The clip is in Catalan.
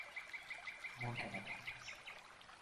No en queda cap.